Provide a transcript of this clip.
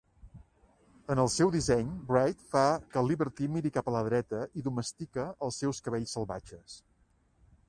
En el seu disseny, Wright fa que Liberty miri cap a la dreta i "domestica" els seus cabells salvatges.